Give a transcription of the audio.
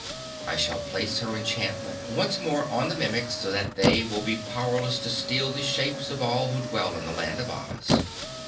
I shall place her enchantment once more on the Mimics so that they will be powerless to steal the shapes of all who dwell in the Land of Oz.